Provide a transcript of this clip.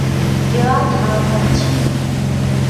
橋仔頭糖廠